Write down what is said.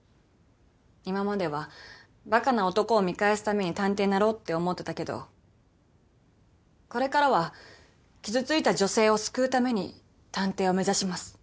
今まではバカな男を見返すために探偵になろうって思ってたけどこれからは傷ついた女性を救うために探偵を目指します。